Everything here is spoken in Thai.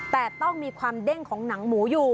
แต่ต้องมีความเด้งของหนังหมูอยู่